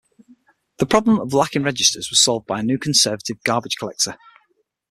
The problem of lacking registers was solved by a new conservative garbage collector.